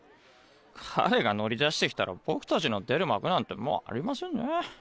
彼が乗り出して来たら僕たちの出る幕なんてもうありませんねぇ。